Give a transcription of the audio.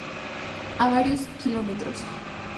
A varios Km.